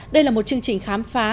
đây là một chương trình khám phá